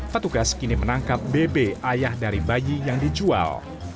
petugas kini menangkap bebe ayah dari bayi yang dijual